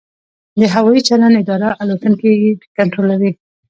د هوايي چلند اداره الوتکې کنټرولوي؟